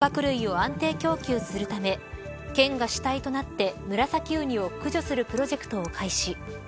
海の環境を守り漁獲類を安定供給するため県が主体となってムラサキウニを駆除するプロジェクトを開始。